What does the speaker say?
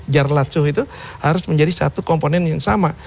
jarlat suhu itu harus menjadi satu komponen yang sama